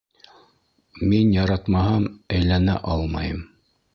Мин яратмаһам, әйләнә алмайым.